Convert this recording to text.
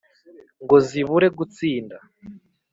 ngo zibure gutsinda,